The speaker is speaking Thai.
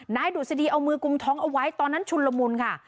ดุษฎีเอามือกุมท้องเอาไว้ตอนนั้นชุนละมุนค่ะ